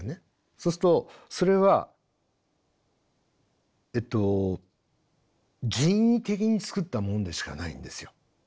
そうするとそれは人為的に作ったものでしかないんですよ。